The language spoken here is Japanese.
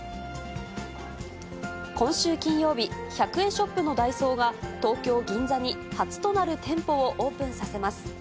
今週金曜日、１００円ショップのダイソーが東京・銀座に初となる店舗をオープンさせます。